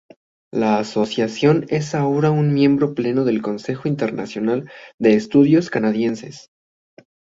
La Asociación es ahora un miembro pleno del Consejo Internacional de Estudios Canadienses.